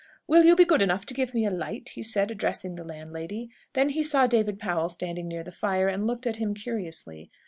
"Will you be good enough to give me a light?" he said, addressing the landlady. Then he saw David Powell standing near the fire, and looked at him curiously.